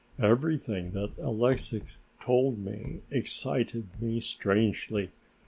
Everything that Alexix told me excited me strangely.